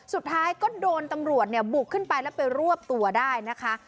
สุดท้ายก็โดนตำรวจเนี่ยบุกขึ้นไปแล้วไปรวบตัวได้นะคะ